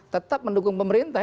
tetap mendukung pemerintah